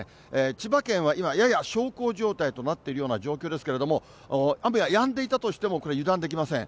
千葉県は今、やや小康状態となっているような状況ですけれども、雨はやんでいたとしてもこれ、油断できません。